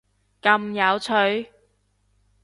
咁有趣？！